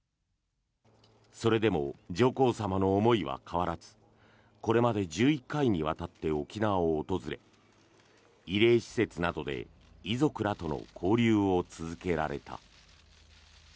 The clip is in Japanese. それでも上皇さまの思いは変わらずこれまで１１回にわたって沖縄を訪れ慰霊施設などで遺族らとの交流を続けられた。